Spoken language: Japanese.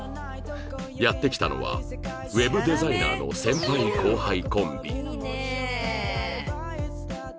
やって来たのは Ｗｅｂ デザイナーの先輩後輩コンビ